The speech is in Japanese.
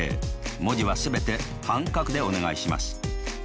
文字は全て半角でお願いします。